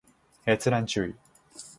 閲覧注意